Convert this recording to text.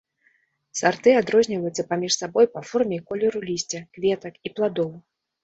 Сарты адрозніваюцца паміж сабой па форме і колеру лісця, кветак і пладоў.